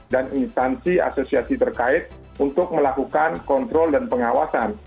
dan instansi asosiasi terkait untuk melakukan kontrol dan pengawasan